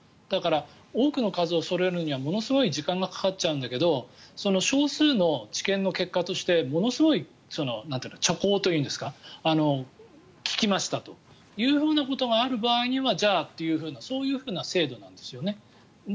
だから多くの数をそろえるにはものすごい時間がかかっちゃうんだけど少数の治験の結果としてものすご著効というんですか効きましたということがある場合にはじゃあというそういう制度なんですね。